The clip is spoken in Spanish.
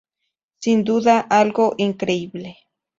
Sin duda algo increíble.